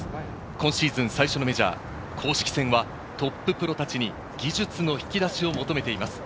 今シーズン最初のメジャー公式戦はトッププロたちに技術の引き出しを求めています。